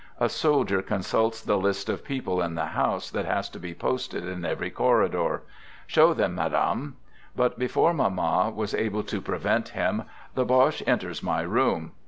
A soldier consults the list of people in the house that has to be posted in every corridor. " Show them, madame." But before Mamma was able to prevent him, the Boche enters my room.